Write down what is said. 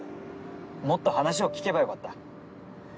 もっと話を聞けばよかった。